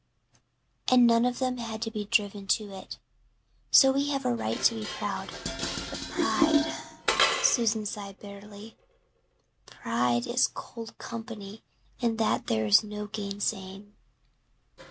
And none of them had to be driven to it. So we have a right to be proud. But pride " Susan sighed bitterly "pride is cold company and that there is no gainsaying."